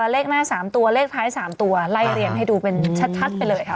เลขหน้า๓ตัวเลขท้าย๓ตัวไล่เรียงให้ดูเป็นชัดไปเลยค่ะ